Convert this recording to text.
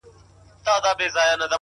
چي پاڼه وشړېدل ـ